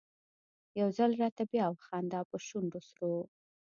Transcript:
يو ځل راته بیا وخانده په شونډو سرو